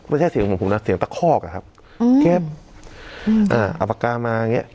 ไม่ใช่เสียงของผมนะเสียงตะคอกอะครับแค่เอาปากกามาอย่างเงี้